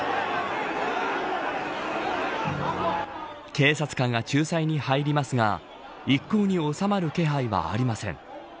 警察官が仲裁に入りますが一向に収まる気配はありません。